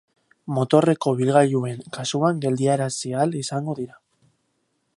Motorreko ibilgailuen kasuan geldiarazi ahal izango dira.